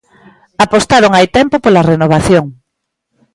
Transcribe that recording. Apostaron hai tempo pola renovación.